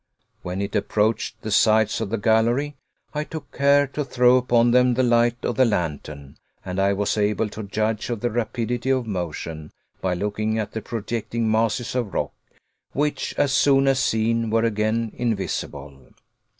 When it approached the sides of the gallery, I took care to throw upon them the light of the lantern, and I was able to judge of the rapidity of motion by looking at the projecting masses of rock, which as soon as seen were again invisible.